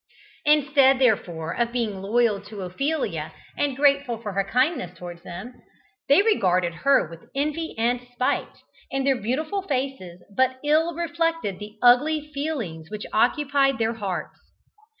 Instead, therefore, of being loyal to Ophelia, and grateful for her kindness towards them, they regarded her with envy and spite, and their beautiful faces but ill reflected the ugly feelings which occupied their hearts.